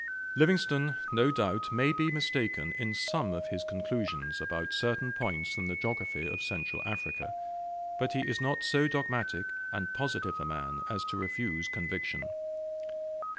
Livingstone no doubt may be mistaken in some of his conclusions about certain points in the geography of Central Africa, but he is not so dogmatic and positive a man as to refuse conviction.